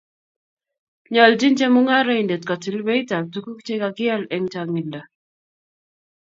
Nyoljin chemungaraindet kotil beitab tuguk che kakial eng changinda